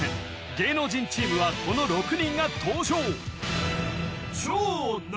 芸能人チームはこの６人が登場！